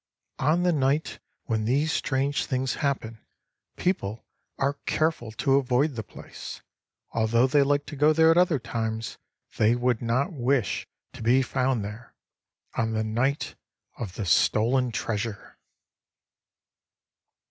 "On the night when these strange things happen, people are careful to avoid the place. Although they like to go there at other times, they would not wish to be found there on the Night of the Stolen Treasure."